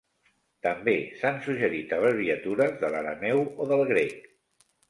També s"han suggerit abreviatures de l"arameu o del grec.